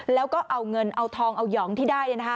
แล้วก็เอาเงินเอาทองเอาหยองที่ได้